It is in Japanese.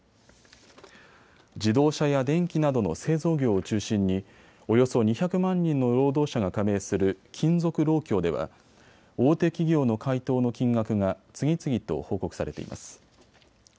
自動車や電機などの製造業を中心におよそ２００万人の労働者が加盟する金属労協では大手企業の回答の金額が次々と報告されています。